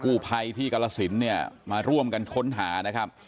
ใครที่กล้าศิลป์เนี่ยมาร่วมกันค้นหานะครับ